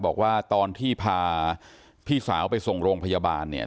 บอกว่าตอนที่พาพี่สาวไปส่งโรงพยาบาลเนี่ย